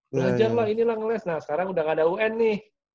belajarlah inilah ngeles nah sekarang udah gak ada un nih